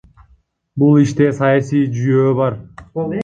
Бул иште саясий жүйөө бар.